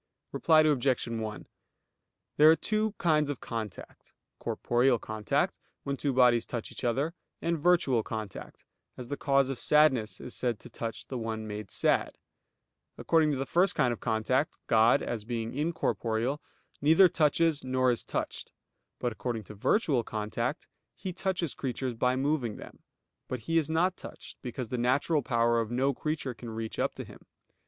Reply Obj. 1: There are two kinds of contact; corporeal contact, when two bodies touch each other; and virtual contact, as the cause of sadness is said to touch the one made sad. According to the first kind of contact, God, as being incorporeal, neither touches, nor is touched; but according to virtual contact He touches creatures by moving them; but He is not touched, because the natural power of no creature can reach up to Him.